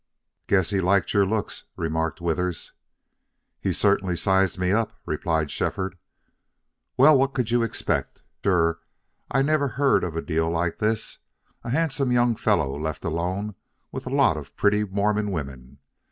"Guess he liked your looks," remarked Withers. "He certainly sized me up," replied Shefford. "Well, what could you expect? Sure I never heard of a deal like this a handsome young fellow left alone with a lot of pretty Mormon women!